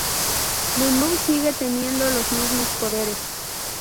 Lulu sigue teniendo los mismos poderes.